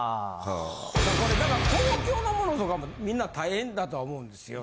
これだから公共のモノとかもみんな大変だとは思うんですよ。